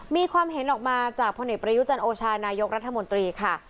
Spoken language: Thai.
มีความเห็นออกมาจากพลเอกประยุจันโอชานายกรัฐมนตรีค่ะ